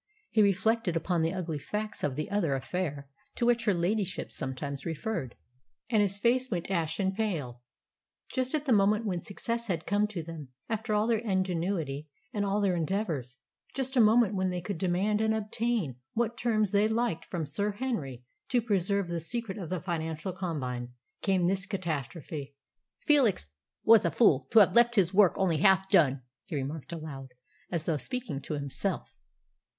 He reflected upon the ugly facts of "the other affair" to which her ladyship sometimes referred, and his face went ashen pale. Just at the moment when success had come to them after all their ingenuity and all their endeavours just at a moment when they could demand and obtain what terms they liked from Sir Henry to preserve the secret of the financial combine came this catastrophe. "Felix was a fool to have left his work only half done," he remarked aloud, as though speaking to himself.